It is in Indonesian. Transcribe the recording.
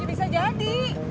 ya bisa jadi